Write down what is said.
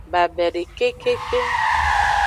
Babede kekeke.